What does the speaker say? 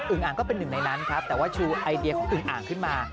อ่างก็เป็นหนึ่งในนั้นครับแต่ว่าชูไอเดียของอึงอ่างขึ้นมา